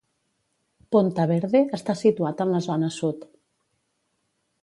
Ponta Verde està situat en la zona sud.